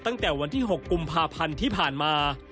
ตั้งแต่วันที่๖กุมภาพันธ์ที่ผ่านมา